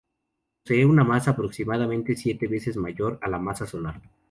Posee una masa aproximadamente siete veces mayor que la masa solar.